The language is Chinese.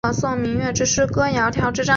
首府阿亚库乔。